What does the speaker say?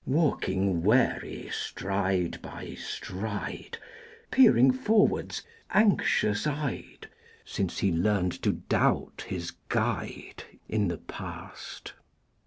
Walking wary stride by stride, Peering forwards anxious eyed, Since he learned to doubt his guide In the past.